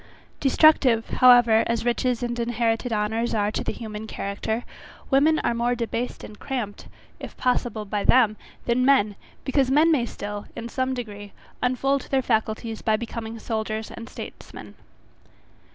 Destructive, however, as riches and inherited honours are to the human character, women are more debased and cramped, if possible by them, than men, because men may still, in some degree, unfold their faculties by becoming soldiers and statesmen.